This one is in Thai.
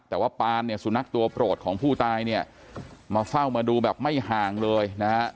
แต่ว่าปานเนี่ยสุนัขตัวโปรดของผู้ตายเนี่ยมาเฝ้ามาดูแบบไม่ห่างเลยนะฮะ